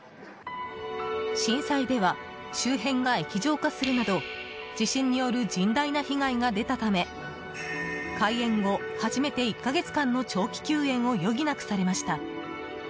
震災では周辺が液状化するなど地震による甚大な被害が出たため開園後、初めて１か月間の長期休園を余儀なくされました。